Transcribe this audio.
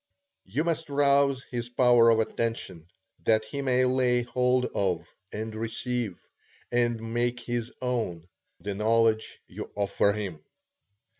You must rouse his power of attention, that he may lay hold of, and receive, and make his own, the knowledge you offer him.